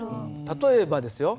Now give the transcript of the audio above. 例えばですよ